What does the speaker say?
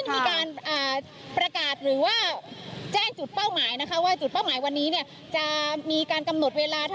บางส่วนมารวมตัวกันให้แบังประหลาด